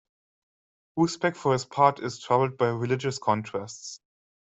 Usbek for his part is troubled by religious contrasts.